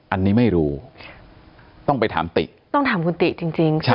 อันนี้ไม่รู้ต้องไปถามติต้องถามคุณติจริง